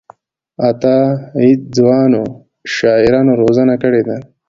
عطاييد ځوانو شاعرانو روزنه کړې ده.